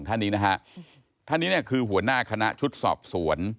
ท่านนี้คือหัวหน้าคณะชุดสอบสวน